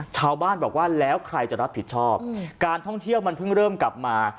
ชาวบ้านบอกว่าแล้วใครจะรับผิดชอบการท่องเที่ยวมันเพิ่งเริ่มกลับมา